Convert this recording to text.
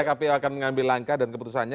kpu akan mengambil langkah dan keputusannya